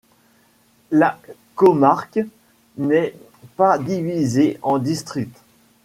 La comarque n'est pas divisée en districts.